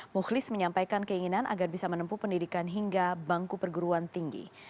mukhlis menyampaikan keinginan agar bisa menempuh pendidikan hingga bangku perguruan tinggi